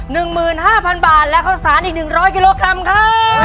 หนึ่งหมื่นห้าพันบาทและข้าวสารอีกหนึ่งร้อยกิโลกรัมครับ